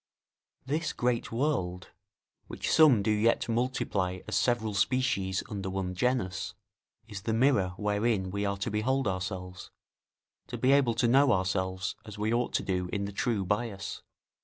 This great world which some do yet multiply as several species under one genus, is the mirror wherein we are to behold ourselves, to be able to know ourselves as we ought to do in the true bias.